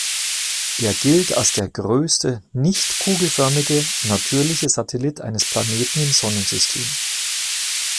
Er gilt als der größte nicht-kugelförmige natürliche Satellit eines Planeten im Sonnensystem.